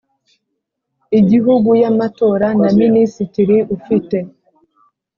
Igihugu y Amatora na Minisitiri ufite